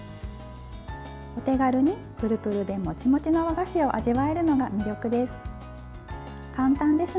お手軽にプルプルでモチモチの和菓子を味わえるのが魅力です。